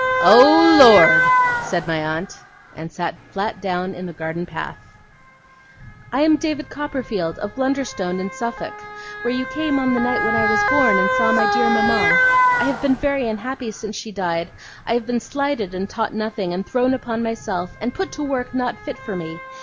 'Oh, Lord!' said my aunt. And sat flat down in the garden path. 'I am David Copperfield, of Blunderstone, in Suffolk where you came, on the night when I was born, and saw my dear mama. I have been very unhappy since she died. I have been slighted, and taught nothing, and thrown upon myself, and put to work not fit for me.